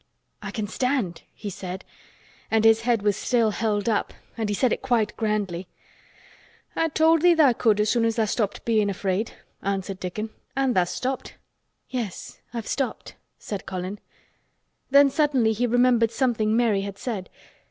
"I can stand," he said, and his head was still held up and he said it quite grandly. "I told thee tha' could as soon as tha' stopped bein' afraid," answered Dickon. "An' tha's stopped." "Yes, I've stopped," said Colin. Then suddenly he remembered something Mary had said.